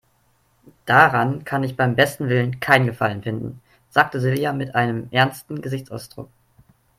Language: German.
"Daran kann ich beim besten Willen keinen Gefallen finden", sagte Silja mit einem ernsten Gesichtsausdruck.